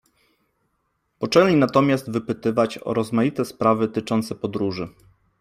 Poczęli natomiast wypytywać o rozmaite sprawy tyczące podróży.